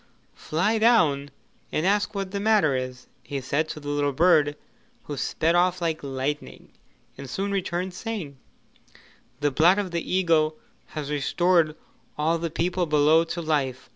'Fly down and ask what the matter is,' he said to the little bird, who sped off like lightning and soon returned saying: 'The blood of the eagle has restored all the people below to life.